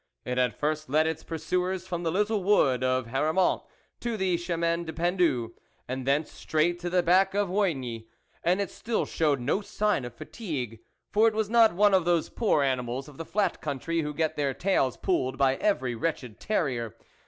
It had first led its pursuers from the little wood of Haramont to the Chemin du Pendu, and thence straight to the back of Oigny, and it still showed no sign of fatigue ; for it was not one of those poor animals of the flat country who get their tails pulled by every wretched terrier.